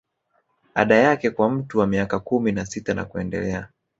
Ada yake kwa mtu wa miaka kumi na sita na kuendelea